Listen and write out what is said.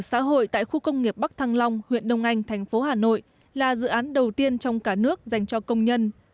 nhà xã hội tại khu công nghiệp bắc thăng long huyện đông anh thành phố hà nội là dự án đầu tiên trong cả nước dành cho công nhân